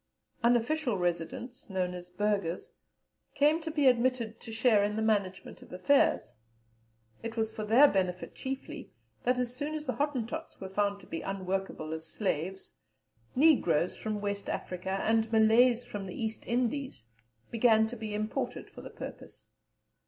Unofficial residents, known as Burghers, came to be admitted to share in the management of affairs. It was for their benefit chiefly, that as soon as the Hottentots were found to be unworkable as slaves, Negroes from West Africa and Malays from the East Indies began to be imported for the purpose.